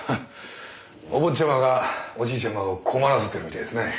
お坊ちゃまがおじいちゃまを困らせてるみたいですね。